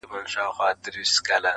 ځانته پخپله اوس زنځیر او زولنې لټوم,